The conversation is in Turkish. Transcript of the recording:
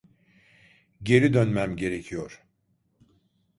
Geri dönmem gerekiyor.